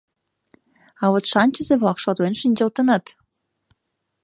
— А вот шанчызе-влак шотлен шинчылтыныт.